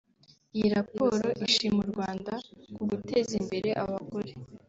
Iyi raporo ishima u Rwanda ku guteza imbere abagore